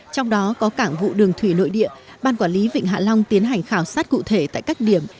trong đó có cảng vụ đường thủy nội địa ban quản lý vịnh hạ long tiến hành khảo sát cụ thể tại các điểm